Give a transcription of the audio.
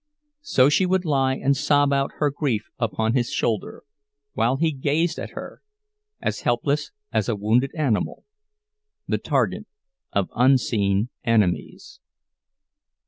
So she would lie and sob out her grief upon his shoulder, while he gazed at her, as helpless as a wounded animal, the target of unseen enemies.